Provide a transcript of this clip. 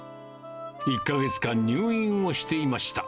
１か月間入院をしていました。